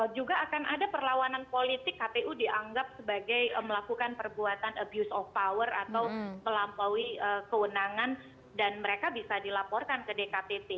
juga akan ada perlawanan politik kpu dianggap sebagai melakukan perbuatan abuse of power atau melampaui kewenangan dan mereka bisa dilaporkan ke dktp